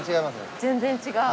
全然違う？